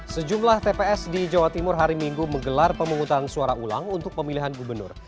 sejumlah tps di jawa timur hari minggu menggelar pemungutan suara ulang untuk pemilihan gubernur